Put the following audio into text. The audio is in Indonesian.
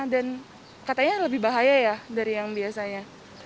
dan katanya lebih bahaya ya dari yang biasanya